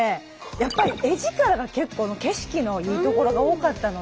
やっぱり画力が結構景色のいい所が多かったので。